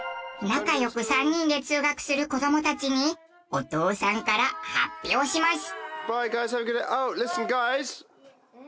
仲良く３人で通学する子どもたちにお父さんから発表します。